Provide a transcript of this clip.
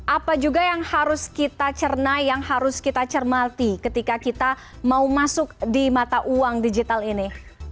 apa juga yang harus kita cernai yang harus kita cermati ketika kita mau masuk di mata uang digital ini